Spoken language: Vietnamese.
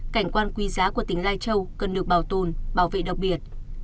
cảnh quan quý giá của tỉnh lai châu cần được bảo tồn bảo vệ đặc biệt